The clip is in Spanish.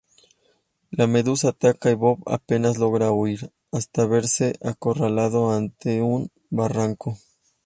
La medusa ataca y Bob apenas logra huir, hasta verse acorralado ante un barranco.